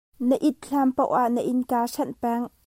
Na it hlan paoh ah na innka hrenh peng.